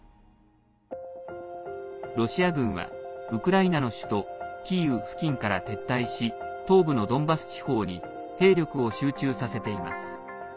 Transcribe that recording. ロシア軍は、ウクライナの首都キーウ付近から撤退し東部のドンバス地方に兵力を集中させています。